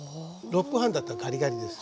６分半だったらガリガリです。